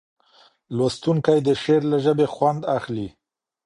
لوستونکی د شعر له ژبې خوند اخلي.